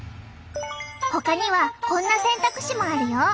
ほかにはこんな選択肢もあるよ。